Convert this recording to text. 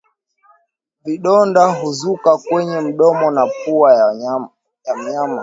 Vidonda huzuka kwenye mdomo na pua ya mnyama